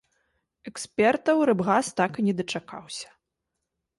Экспертаў рыбгас так і не дачакаўся.